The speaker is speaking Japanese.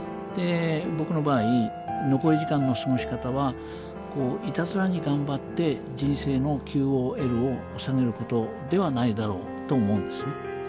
僕の場合残り時間の過ごし方はいたずらに頑張って人生のＱＯＬを下げることではないだろうと思うんですね。